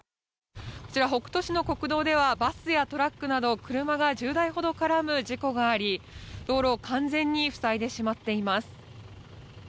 こちら、北斗市の国道ではバスやトラックなど車が１０台ほど絡む事故があり道路を完全に塞いでしまっています。